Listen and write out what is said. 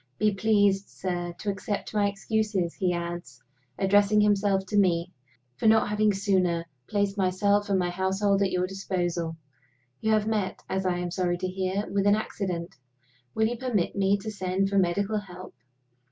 Be pleased, sir, to accept my excuses," he adds, addressing himself to me, "for not having sooner placed myself and my household at your disposal. You have met, as I am sorry to hear, with an accident. Will you permit me to send for medical help?